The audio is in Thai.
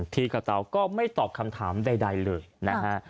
ทีกับเตาก็ไม่ตอบคำถามใดเลยนะฮะ